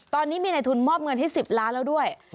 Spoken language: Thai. ตอนนี้มีในทุนมอบเงินให้๑๐ล้านแล้วด้วย